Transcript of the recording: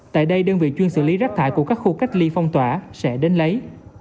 tại đây đơn vị chuyên xử lý rác thải của các khu cách ly phong tỏa sẽ đến lấy